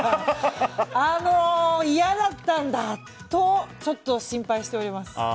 嫌だったんだとちょっと心配しております。